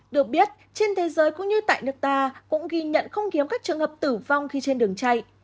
được biết trên thế giới cũng như tại nước ta cũng ghi nhận không kiếm các trường hợp tử vong khi trên đường chạy